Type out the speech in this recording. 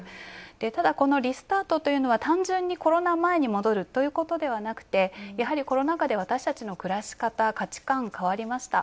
ただ、このリスタートというのは単純にコロナ前に戻るということではなくてやはり、コロナ禍で私たちの暮らし方、価値観、変わりました。